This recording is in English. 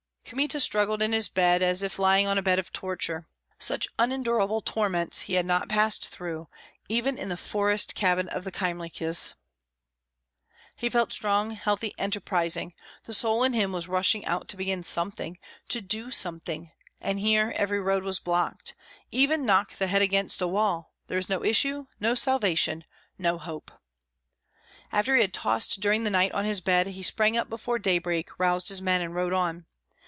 Kmita struggled in his bed, as if lying on a bed of torture. Such unendurable torments he had not passed through, even in the forest cabin of the Kyemliches. He felt strong, healthy, enterprising, the soul in him was rushing out to begin something, to do something, and here every road was blocked; even knock the head against a wall, there is no issue, no salvation, no hope. After he had tossed during the night on his bed, he sprang up before daybreak, roused his men, and rode on.